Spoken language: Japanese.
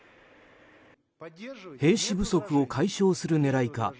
兵士不足を解消する狙いか